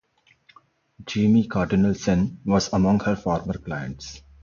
Jaime Cardinal Sin was among her former clients.